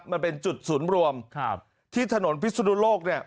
มันเป็นจุดศูนย์รวมครับที่ถนนพิศนุโลกเนี่ย